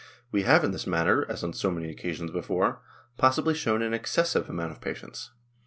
We have in this matter, as on so many occasions before, possibly shown an excessive amount of patience.